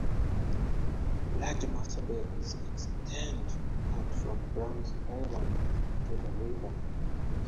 Large mussel beds extend out from Browns Island into the river.